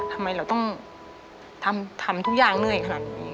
ทำไมเราต้องทำทุกอย่างเหนื่อยขนาดนี้